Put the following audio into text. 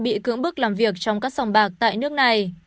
bị cưỡng bức làm việc trong các sòng bạc tại nước này